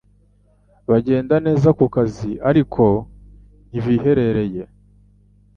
Bagenda neza kukazi ariko ntibiherereye